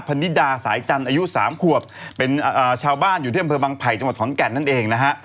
นิดาสายจันทร์อายุ๓ขวบเป็นชาวบ้านอยู่ที่อำเภอบังไผ่จังหวัดขอนแก่นนั่นเองนะฮะ